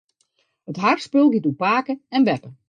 It harkspul giet oer pake en beppe.